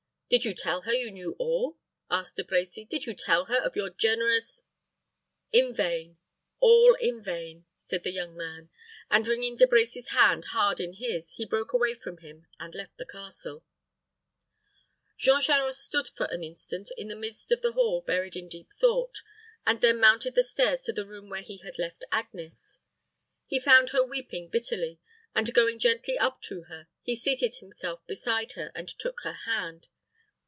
"Did you tell her you knew all?" asked De Brecy. "Did you tell her of your generous " "In vain all in vain," said the young man; and, wringing De Brecy's hand hard in his, he broke away from him, and left the castle. Jean Charost stood for an instant in the midst of the hall buried in deep thought, and then mounted the stairs to the room where he had left Agnes. He found her weeping bitterly; and going gently up to her, he seated himself beside her and took her hand.